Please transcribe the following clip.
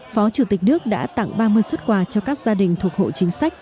phó chủ tịch nước đã tặng ba mươi xuất quà cho các gia đình thuộc hộ chính sách